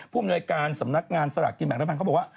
อำนวยการสำนักงานสลากกินแบ่งรัฐบาลเขาบอกว่า